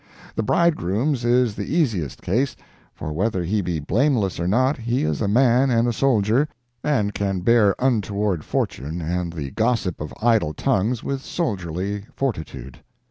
The bridegroom's is the easiest case, for whether he be blameless or not, he is a man and a soldier, and can bear untoward fortune and the gossip of idle tongues with soldierly fortitude.